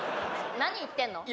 何言ってるの？